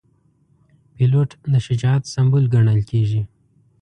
پیلوټ د شجاعت سمبول ګڼل کېږي.